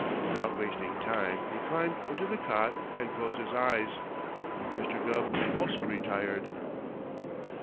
Without wasting time, he climbed into the cot and closed his eyes. Mr. Gubb also retired.